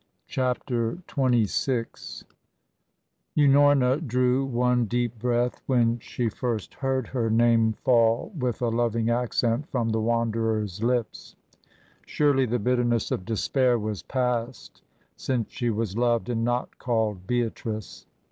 CHAPTER XXVI Unorna drew one deep breath when she first heard her name fall with a loving accent from the Wanderer's lips. Surely the bitterness of despair was past since she was loved and not called Beatrice.